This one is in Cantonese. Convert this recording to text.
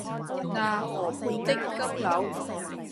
那河畔的金柳